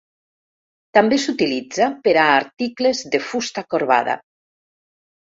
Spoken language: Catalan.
També s'utilitza per a articles de fusta corbada.